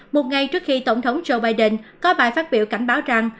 một ngày trước khi tổng thống joe biden có bài phát biểu cảnh báo rằng